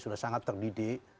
sudah sangat terdidik